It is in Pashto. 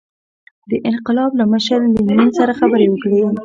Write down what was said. د انقلاب له مشر لینین سره خبرې وکړي.